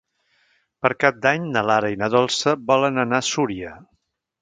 Per Cap d'Any na Lara i na Dolça volen anar a Súria.